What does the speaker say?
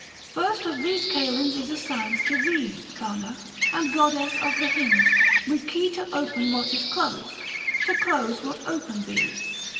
First of these kalends is assigned to thee, Carna, and goddess of the hinge, with key 115 To open what is closed, to close what open be.